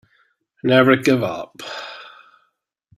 Never give up.